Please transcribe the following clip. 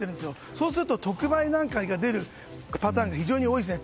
そうすると特売に出るパターンが非常に多いですね。